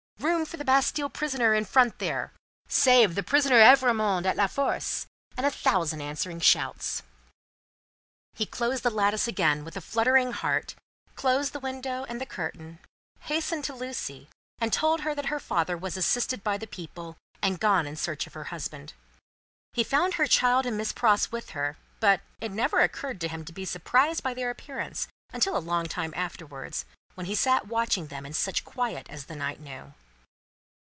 Room for the Bastille prisoner in front there! Save the prisoner Evrémonde at La Force!" and a thousand answering shouts. He closed the lattice again with a fluttering heart, closed the window and the curtain, hastened to Lucie, and told her that her father was assisted by the people, and gone in search of her husband. He found her child and Miss Pross with her; but, it never occurred to him to be surprised by their appearance until a long time afterwards, when he sat watching them in such quiet as the night knew.